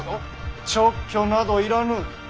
勅許などいらぬ。